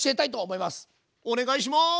お願いします。